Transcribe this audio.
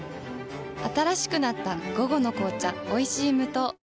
新しくなった「午後の紅茶おいしい無糖」